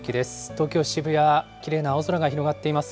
東京・渋谷、きれいな青空が広がっています。